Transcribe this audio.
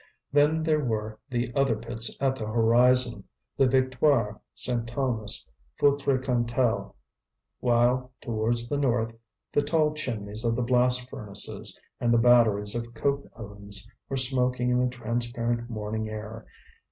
Then there were the other pits at the horizon, the Victoire, Saint Thomas, Feutry Cantel; while, towards the north, the tall chimneys of the blast furnaces, and the batteries of coke ovens, were smoking in the transparent morning air.